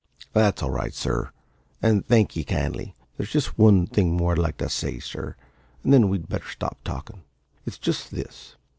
"That's all right, sir; and thank ye kindly. There's just one thing more I'd like to say, sir, and then we'd better stop talkin'. It's just this.